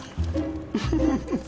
フフフフ。